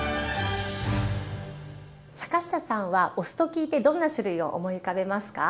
坂下さんはお酢と聞いてどんな種類を思い浮かべますか？